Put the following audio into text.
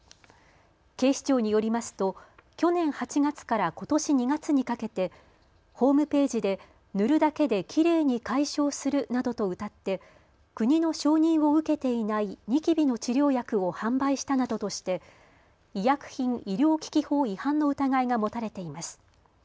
警視庁によりますと去年８月からことし２月にかけてホームページで塗るだけで綺麗に解消するなどとうたって国の承認を受けていないニキビの治療薬を販売したなどとして医薬品医療機器法違反の疑いが持たれています。